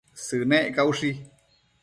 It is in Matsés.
Sënec caushi